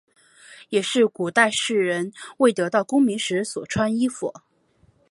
也是古代士人未得功名时所穿衣服。